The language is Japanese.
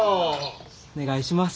お願いします。